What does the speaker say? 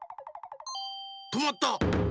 とまった！